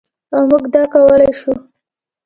او موږ دا کولی شو.